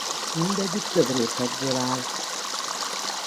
Mindegyik több rétegből áll.